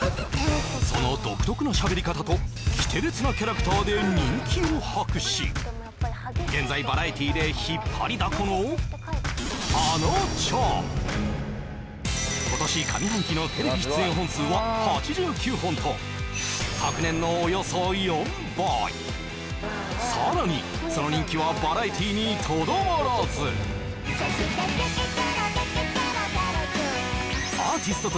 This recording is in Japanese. その独特な喋り方と奇天烈なキャラクターで人気を博し現在バラエティで引っ張りだこの今年上半期のテレビ出演本数は８９本と昨年のおよそ４倍さらにその人気はバラエティにとどまらずそしてＧｅｔｇｅｔｇｅｔｏｎ！